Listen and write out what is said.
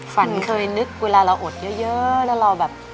ฝันเคยนึกเวลาเราอดเยอะแล้วเราแบบ